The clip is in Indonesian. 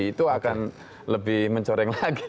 itu akan lebih mencoreng lagi